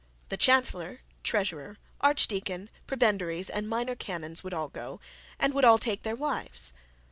The chancellor, treasurer, archdeacon, prebendaries, and minor canons would all go, and would take their wives.